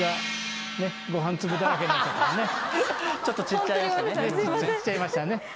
ちょっと散っちゃいましたね。